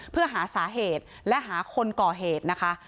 เพื่อหาสาเหตุและหาคนก่อเหตุนะคะ